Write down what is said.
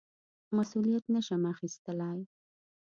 مسوولیت نه شم اخیستلای.